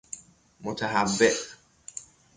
متهوع